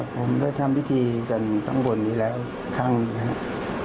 ผมได้ทำพิธีกันข้างบนอยู่แล้วข้างหนึ่ง